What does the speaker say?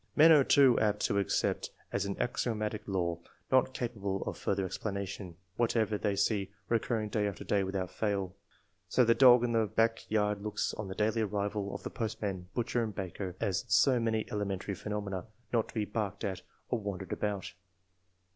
Men are too apt to accept as an axiomatic law, not capable of further explanation, whatever they see recurring day after day without fail. So the dog in the back yard looks on the daily arrival of the postman, butcher, and baker as so many III.] ORIGIN OF TASTE FOB SCIENCE. 219 elementary phenomena, not to be barked at or wondered about.